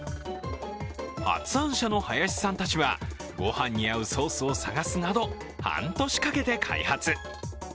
発案者の林さんたちは、ご飯に合うソースを探すなど、半年かけて開発。